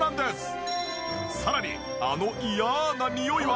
さらにあの嫌なニオイは？